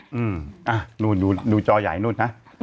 อืมอ่าดูดูดูจอใหญ่นู้นนะน่ะ